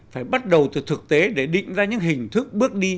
phải bắt đầu từ thực tế để định ra những hình thức bước đi